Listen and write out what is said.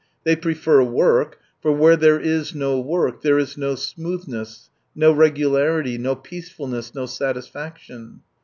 They prefer work, for where there is no work there Is no smoothness, no regularity, no peacefulness, no satisfaction.